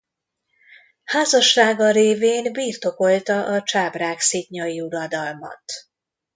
Házassága révén birtokolta a Csábrág-szitnyai uradalmat.